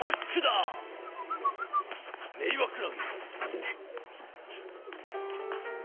メイワクラゲ。